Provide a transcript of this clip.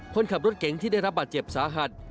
คนขับรถเก๋งที่ได้รับบาดเจ็บสาหัส